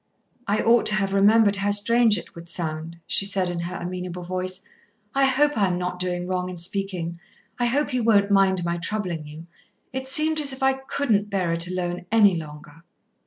"I ought to have remembered how strange it would sound," she said in her amenable voice. "I hope I am not doing wrong in speaking. I hope you won't mind my troubling you. It seemed as if I couldn't bear it alone any longer."